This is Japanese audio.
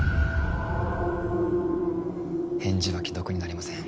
返事は既読になりません